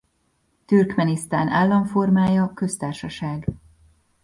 Türkmenisztán államformája köztársaság.